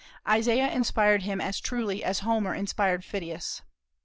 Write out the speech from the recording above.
Isaiah inspired him as truly as Homer inspired Phidias.